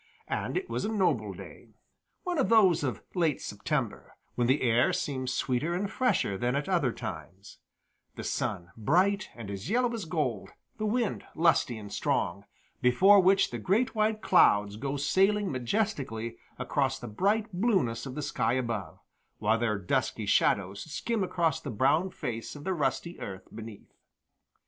And it was a noble day; one of those of late September, when the air seems sweeter and fresher than at other times; the sun bright and as yellow as gold, the wind lusty and strong, before which the great white clouds go sailing majestically across the bright blueness of the sky above, while their dusky shadows skim across the brown face of the rusty earth beneath.